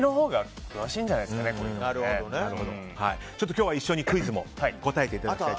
今日は一緒にクイズも答えていただきたい。